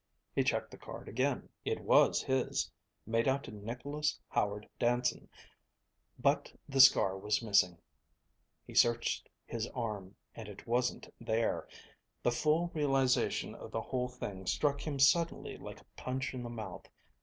He checked the card again. It was his, made out to Nicholas Howard Danson; but the scar was missing. He searched his arm and it wasn't there. The full realization of the whole thing struck him suddenly like a punch in the mouth.